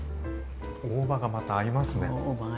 大葉がまた合いますね。